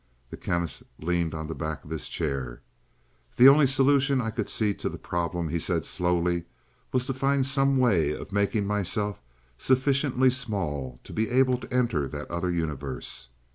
The Chemist leaned on the back of his chair. "The only solution I could see to the problem," he said slowly, "was to find some way of making myself sufficiently small to be able to enter that other universe.